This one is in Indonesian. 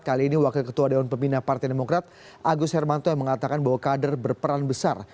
kali ini wakil ketua dewan pembina partai demokrat agus hermanto yang mengatakan bahwa kader berperan besar